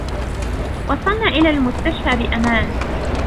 وصلنا إلى المستشفى بأمان.